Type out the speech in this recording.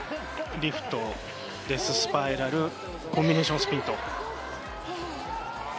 リフト、デススパイラルコンビネーションスピンと。